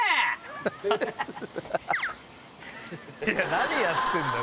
何やってんだよ